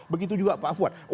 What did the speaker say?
begitu juga pak fuad